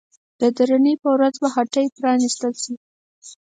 د درېنۍ په ورځ به هټۍ پرانيستل شي.